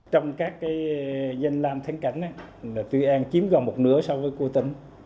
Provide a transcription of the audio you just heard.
trong các cái danh lam thánh cảnh tuy an kiếm gần một nửa so với cô tấn